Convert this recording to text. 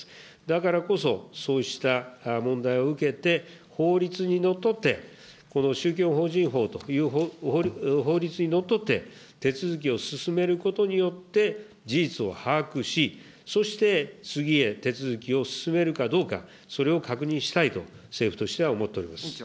だからこそ、そうした問題を受けて、法律にのっとってこの宗教法人法という法律にのっとって、手続きを進めることによって、事実を把握し、そして次へ手続きを進めるかどうか、それを確認したいと、山添拓君。